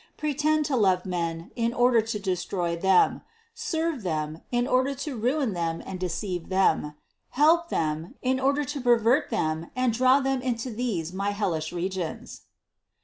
Pretend to love men, in order to destroy them ; serve them, in order to ruin them and deceive them ; help them, in order to pervert them and draw them into these my hellish regions."